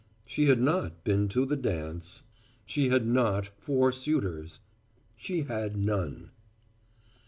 She had not been to the dance. She had not four suitors. She had none.